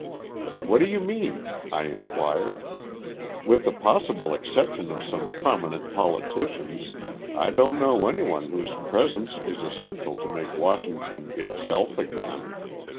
"Who do you mean?" I inquired. "With the possible exception of some prominent politicians I don't know anyone whose presence is essential to make Washington 'itself again.'